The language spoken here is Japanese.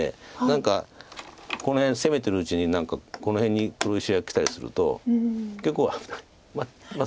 何かこの辺攻めてるうちにこの辺に黒石がきたりすると結構危ない。